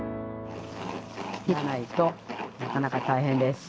切らないとなかなか大変です。